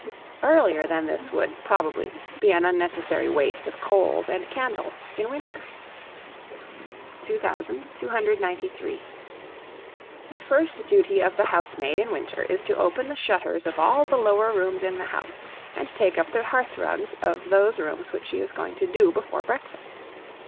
Earlier than this would, probably, be an unnecessary waste of coals and candle in winter. 2293. The first duty of the housemaid in winter is to open the shutters of all the lower rooms in the house, and take up the hearth rugs of those rooms which she is going to "do" before breakfast.